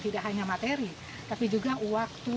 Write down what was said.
tidak hanya materi tapi juga waktu